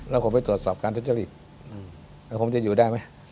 แล้วผมไปตรวจสอบการทุจริตแล้วผมจะอยู่ได้ไหม